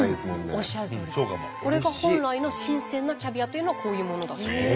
おっしゃるとおりこれが本来の新鮮なキャビアというのはこういうものだそうです。